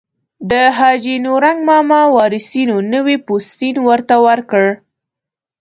د حاجي نورنګ ماما وارثینو نوی پوستین ورته ورکړ.